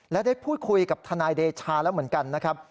และได้พูดคุยกับทนายเดชาแล้วเหมือนกันนะครับ